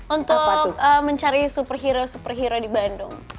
untuk mencari superhero superhero di bandung